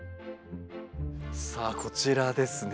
さあこちらですね。